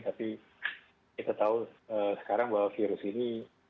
tapi kita tahu sekarang bahwa virus ini